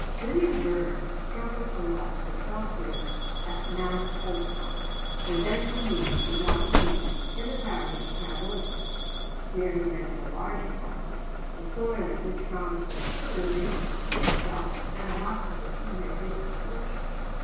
William Burness struggled along for twelve years at Mount Oliphant, and then removed to Lochlea, in the parish of Tarbolton. Here he rented a larger farm, the soil of which promised a surer maintenance for himself and the hostages he had given to Fortune.